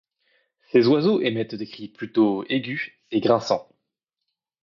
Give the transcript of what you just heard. Ces oiseaux émettent des cris plutôt aigus et grinçants.